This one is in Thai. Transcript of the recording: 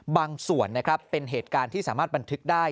บางส่วนนะครับเป็นเหตุการณ์ที่สามารถบันทึกได้